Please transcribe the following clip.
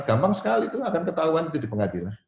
gampang sekali tuh akan ketahuan itu di pengadilan